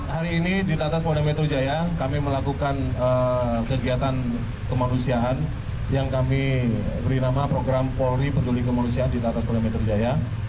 hari ini di lantas polda metro jaya kami melakukan kegiatan kemanusiaan yang kami beri nama program polri penduli kemanusiaan di lantas polda metro jaya